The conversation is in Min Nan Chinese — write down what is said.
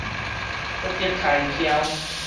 不得開曲